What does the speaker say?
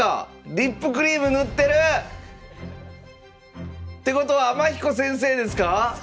リップクリーム塗ってる！ってことは天彦先生ですか⁉そうです。